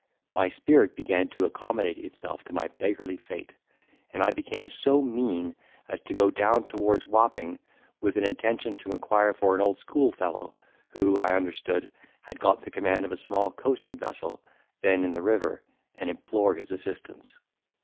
My spirit began to accommodate itself to my beggarly fate, and I became so mean as to go down towards Wapping, with an intention to inquire for an old schoolfellow, who, I understood, had got the command of a small coasting vessel then in the river, and implore his assistance.